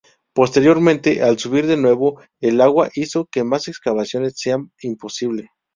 Posteriormente, al subir de nuevo el agua hizo que más excavaciones sean imposible.